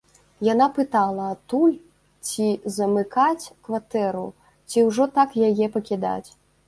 Яна пытала адтуль, ці замыкаць кватэру, ці ўжо так яе пакідаць.